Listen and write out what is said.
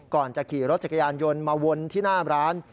ก่อนจะขี่รถจักรยานยนต์มาวนที่หน้าร้าน